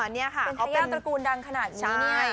เป็นทายาทตระกูลดังขนาดนี้เนี่ย